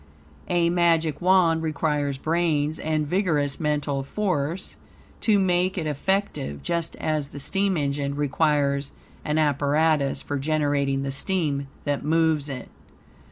A Magic Wand requires brains and vigorous mental force to make it effective, just as the steam engine requires an apparatus for generating the steam, that moves it.